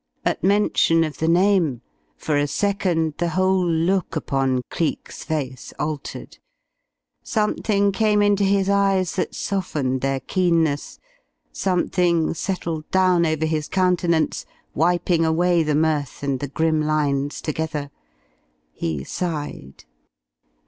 At mention of the name, for a second the whole look upon Cleek's face altered. Something came into his eyes that softened their keenness, something settled down over his countenance, wiping away the mirth and the grim lines together. He sighed.